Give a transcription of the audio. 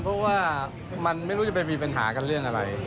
ถ้ามันไม่รู้จะเป็นมีปัญหากันเรื่องอะไร